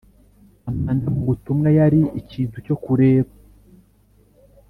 amanda mub utumwa yari ikintu cyo kureba